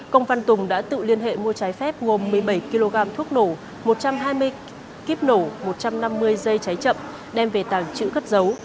công văn tùng đã tự liên hệ mua trái phép gồm một mươi bảy kg thuốc nổ một trăm hai mươi kíp nổ một trăm năm mươi dây cháy chậm đem về tàng trữ cất dấu